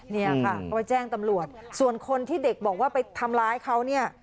เนี่ยค่ะก็ไปแจ้งตำรวจส่วนคนที่เด็กบอกว่าไปทำร้ายเขาเนี่ย